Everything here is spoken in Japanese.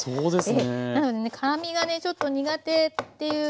なのでね辛みがねちょっと苦手っていうね